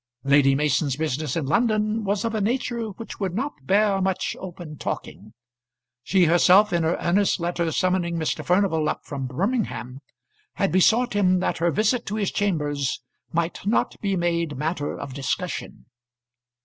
Lady Mason's business in London was of a nature which would not bear much open talking. She herself, in her earnest letter summoning Mr. Furnival up from Birmingham, had besought him that her visit to his chambers might not be made matter of discussion.